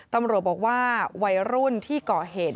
ตำรวจบอกว่าวัยรุ่นที่ก่อเหตุ